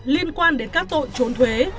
liên quan đến các tội trốn thuế